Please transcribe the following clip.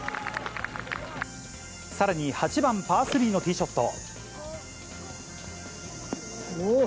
さらに、８番パー３のティーショット。